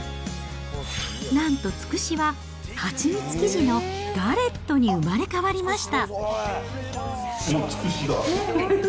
なんと、つくしは蜂蜜生地のガレットに生まれ変わりました。